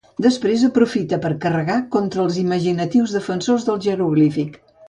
Després aprofita per carregar contra els imaginatius defensors del jeroglífic.